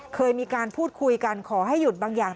เคยมีการพูดคุยกันขอให้หยุดบางอย่าง